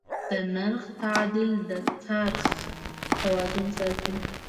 د نرخ تعدیل د خرڅ توازن ساتي.